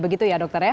begitu ya dokter ya